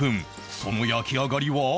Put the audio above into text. その焼き上がりは